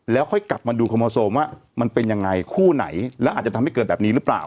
แล้วค่อยกลับมาดูโคโมโซมว่ามันเป็นยังไงคู่ไหนแล้วอาจจะทำให้เกิดแบบนี้หรือเปล่า